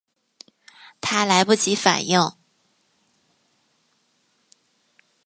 她来不及反应